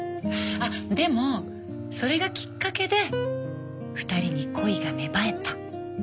あっでもそれがきっかけで２人に恋が芽生えた。